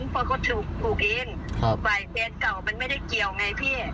ฝ่ายเฟสเก่ามันไม่ได้เกี่ยวไงพี่